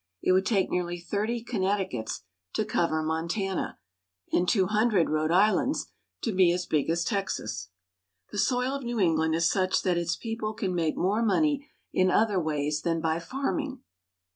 It would take nearly thirty Connecticuts to cover Montana, and two hundred Rhode Islands to be as big as Texas. The soil of New England is such that its people can make more money in other ways than by farming.